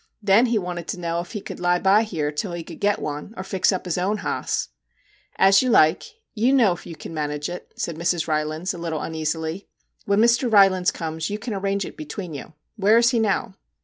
Then he wanted to know ef he could lie by here till he could get one, or fix up his own hoss/ ' As you like ; you know if you can manage it/ said Mrs. Rylands, a little uneasily. * When Mr. Rylands comes you can arrange it between you. Where is he now